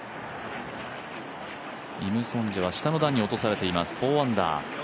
イム・ソンジェは下の段に落とされています、４アンダー。